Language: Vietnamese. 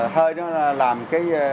thơi nó làm cái